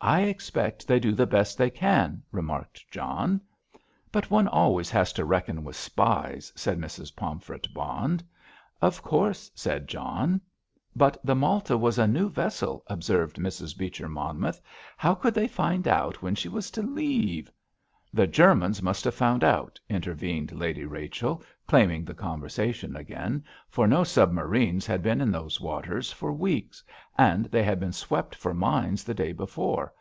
"I expect they do the best they can," remarked John. "But one always has to reckon with spies," said Mrs. Pomfret Bond. "Of course," said John. "But the Malta was a new vessel," observed Mrs. Beecher Monmouth; "how could they find out when she was to leave ——?" "The Germans must have found out," intervened Lady Rachel, claiming the conversation again, "for no submarines had been in those waters for weeks, and they had been swept for mines the day before.